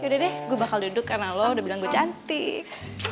udah deh gue bakal duduk karena lo udah bilang gue cantik